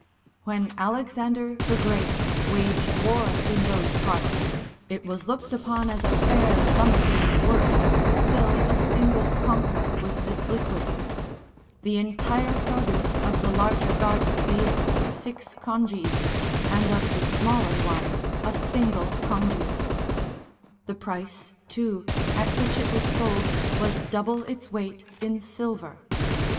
When Alexander the Great waged war in those parts, it was looked upon as a fair summer day's work to fill a single concha77 with this liquid ; the entire produce of the larger garden being six congii, and of the smaller one a single congius; the price, too, at which it was sold was double its weight in silver.